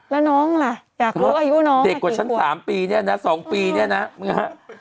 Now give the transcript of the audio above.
แล้วน้องล่ะอยากรู้อายุน้องเด็กกว่าฉัน๓ปีเนี่ยนะ๒ปีเนี่ยนะนะฮะ